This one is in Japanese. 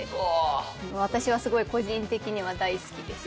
私はすごい個人的には大好きでした。